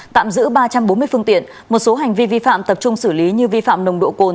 tạm giữ ba trăm bốn mươi phương tiện một số hành vi vi phạm tập trung xử lý như vi phạm nồng độ cồn